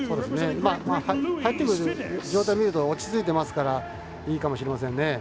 入ってくる状態を見ると落ち着いてますからいいかもしれませんね。